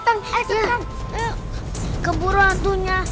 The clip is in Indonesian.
sampai jumpa di video selanjutnya